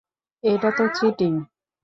এটা তো চিটিং।